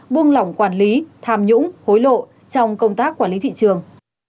buông lỏng quản lý tham nhũng hối lộ trong công tác quản lý thị trường